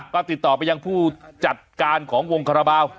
ก็ติดต่อไปยังผู้จัดการของวงคาราบาล